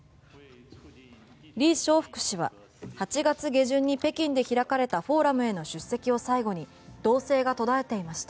リ・ショウフク氏は８月下旬に北京で開かれたフォーラムへの出席を最後に動静が途絶えていました。